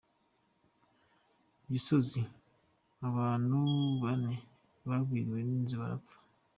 Gisozi: Abantu bane bagwiriwe n’ inzu barapfa .